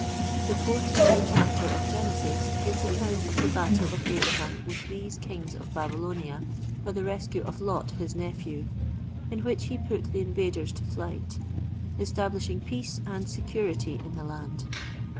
The fourteenth chapter of Genesis gives account of the battle of Abraham with these kings of Babylonia for the rescue of Lot, his nephew, in which he put the invaders to flight, establishing peace and security in the land.